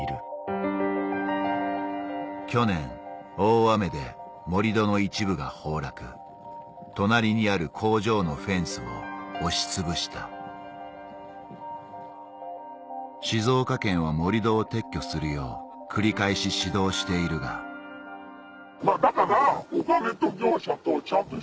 去年大雨で盛り土の一部が崩落隣にある工場のフェンスも押しつぶした静岡県は盛り土を撤去するよう繰り返し指導しているがだから。